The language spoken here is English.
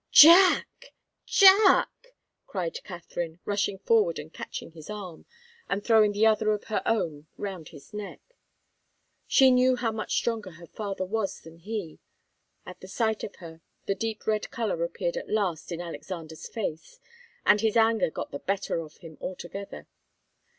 "Jack! Jack!" cried Katharine, rushing forward and catching his arm, and throwing the other of her own round his neck. She knew how much stronger her father was than he. At the sight of her, the deep red colour appeared at last in Alexander's face, and his anger got the better of him altogether.